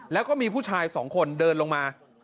แล้วมีผู้ชาย๒คนเดินลงมา